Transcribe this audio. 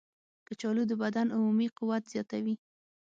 کچالو د بدن عمومي قوت زیاتوي.